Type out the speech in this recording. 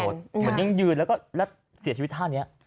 เหมือนยังยืนแล้วก็แล้วเสียชีวิตท่านี้